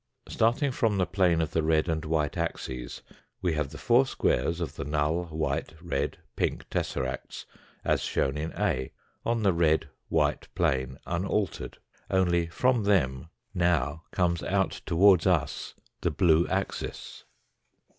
Starting from the plane of the red and white axes we have the four squares of the null, white, red, pink tesseracts as shown in A, on the red, white plane, unaltered, only from them now comes out towards us the blue axis.